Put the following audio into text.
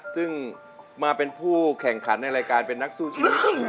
ซึ่งมาเป็นผู้แข่งขันในรายการเป็นนักสู้ชีวิต